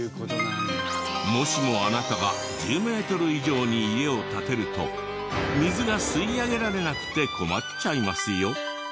もしもあなたが１０メートル以上に家を建てると水が吸い上げられなくて困っちゃいますよ。